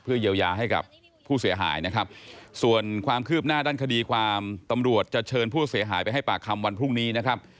เยียวยาให้กับผู้เสียหายนะครับส่วนความคืบหน้าด้านคดีความตำรวจจะเชิญผู้เสียหายไปให้ปากคำวันพรุ่งนี้นะครับ